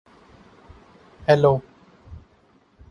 Pips are not used in the Legend System.